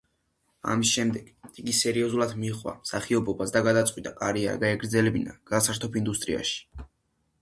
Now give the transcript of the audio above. ამის შემდეგ, იგი სერიოზულად მოჰყვა მსახიობობას და გადაწყვიტა, კარიერა გაეგრძელებინა გასართობ ინდუსტრიაში.